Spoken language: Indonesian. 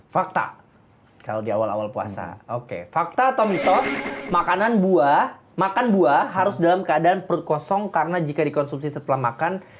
fakta kalau di awal awal puasa oke fakta atau mitos makanan buah makan buah harus dalam keadaan perut kosong karena jika dikonsumsi setelah makan